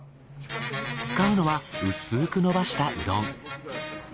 使うのは薄く伸ばしたうどん。